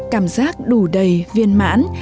cảm giác đủ đầy viên mãn